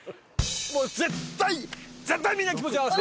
もう絶対絶対みんな気持ち合わせて。